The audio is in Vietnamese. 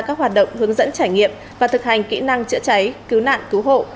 các hoạt động hướng dẫn trải nghiệm và thực hành kỹ năng chữa cháy cứu nạn cứu hộ